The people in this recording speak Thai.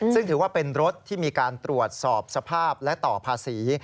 ซึ่งถือว่าเป็นรถที่มีการตรวจสอบสภาพและต่อภาษี